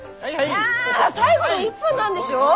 ああ最後の一本なんでしょ！？